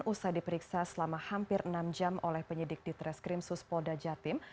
usai diperiksa selama hampir enam jam oleh penyidik di treskrim suspoda jatim